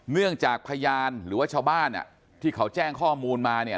เนื่องจากพยานหรือว่าชาวบ้านอ่ะที่เขาแจ้งข้อมูลมาเนี่ย